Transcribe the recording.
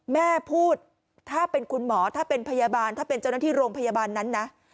แม่พูดถ้าเป็นคุณหมอถ้าเป็นพยาบาลถ้าเป็นเจ้าหน้าที่โรงพยาบาลนั้นนะ